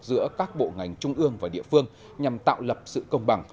giữa các bộ ngành trung ương và địa phương nhằm tạo lập sự công bằng